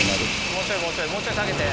もうちょいもうちょいもうちょい下げて。